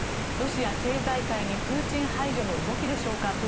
ロシア政財界にプーチン排除の動きでしょうか。